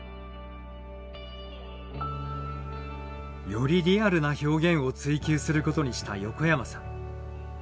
よりリアルな表現を追求することにした横山さん。